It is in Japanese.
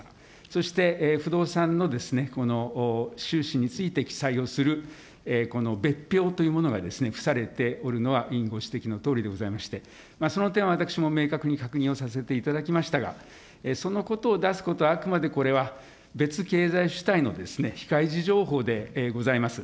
そして不動産のこの収支について記載をする、この別表というものが付されておるのは、委員、ご指摘のとおりでございまして、その点は私も明確に確認をさせていただきましたが、そのことを出すことは、あくまでこれは、別経済主体の非開示情報でございます。